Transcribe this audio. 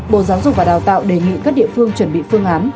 bộ giáo dục và đào tạo đề nghị các địa phương chuẩn bị phương án